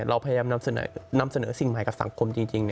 เราพยายามนำเสนอสิ่งใหม่กับสังคมจริง